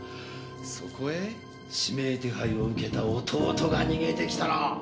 そこへ指名手配を受けた弟が逃げて来たら。